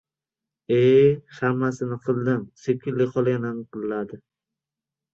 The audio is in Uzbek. — E, hammasini qildim! — Sepkilli xola yana inqilladi.